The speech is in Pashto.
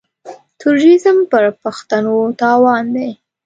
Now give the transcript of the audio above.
تروريزم پر پښتنو تاوان دی.